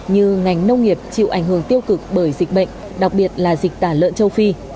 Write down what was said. như ngành nông nghiệp chịu ảnh hưởng tiêu cực bởi dịch bệnh đặc biệt là dịch tả lợn châu phi